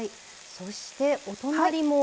そしてお隣も。